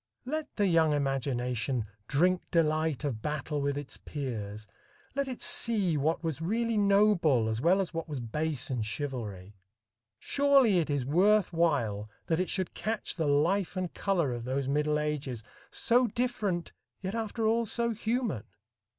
Let the young imagination "drink delight of battle with its peers"; let it see what was really noble as well as what was base in chivalry. Surely it is worth while that it should catch the life and color of those middle ages so different, yet after all so human.